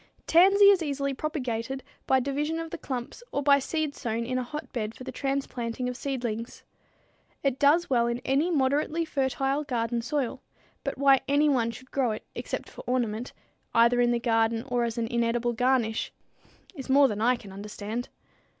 Tansy is easily propagated by division of the clumps or by seed sown in a hotbed for the transplanting of seedlings. It does well in any moderately fertile garden soil, but why anyone should grow it except for ornament, either in the garden or as an inedible garnish, is more than I can understand.